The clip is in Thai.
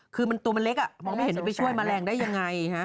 คือตัวมันเล็กอะไม่เห็นว่าจะไปช่วยมัลแรงได้ยังไง